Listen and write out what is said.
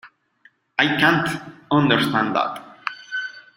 I can't understand that